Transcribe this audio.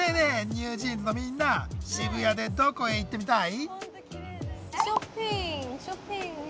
ＮｅｗＪｅａｎｓのみんな渋谷でどこへ行ってみたい？